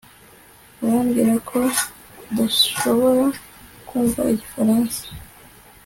urambwira ko udashobora kumva igifaransa